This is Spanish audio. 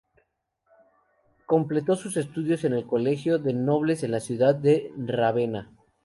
Completó sus estudios en el Colegio de Nobles en la ciudad de Rávena.